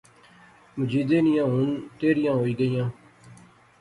مجیدے نیاں ہن تیریاں ہوئی گیئیاں